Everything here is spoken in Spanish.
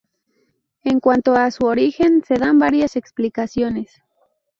En cuanto a su origen, se dan varias explicaciones.